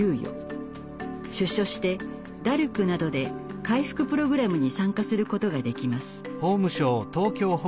出所してダルクなどで回復プログラムに参加することができます。